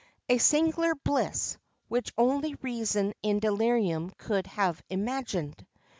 [XXVII 12] A singular bliss, which only reason in delirium could have imagined.